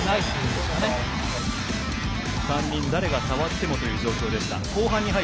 ３人誰が触ってもという状況でした。